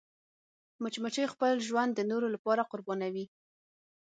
مچمچۍ خپل ژوند د نورو لپاره قربانوي